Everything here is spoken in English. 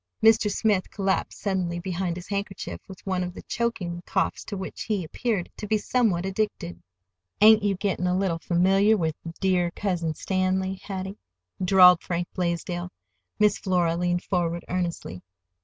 Mr. Smith collapsed suddenly behind his handkerchief, with one of the choking coughs to which he appeared to be somewhat addicted. "Ain't you getting a little familiar with 'dear Cousin Stanley,' Hattie?" drawled Frank Blaisdell. Miss Flora leaned forward earnestly.